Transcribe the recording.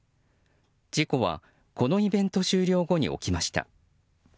事故は、このイベント終了後に起きました。